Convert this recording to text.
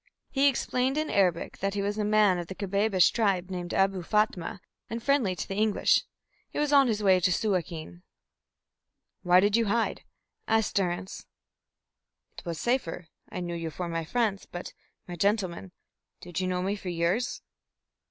He explained in Arabic that he was a man of the Kabbabish tribe named Abou Fatma, and friendly to the English. He was on his way to Suakin. "Why did you hide?" asked Durrance. "It was safer. I knew you for my friends. But, my gentleman, did you know me for yours?"